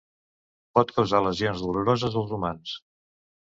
Pot causar lesions doloroses als humans.